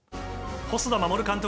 細田守監督